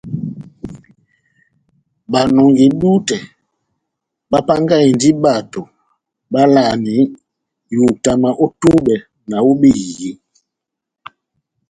Banɔngi-dútɛ bapángahindi bato bavalahani ihutama ó túbɛ ná ó behiyi.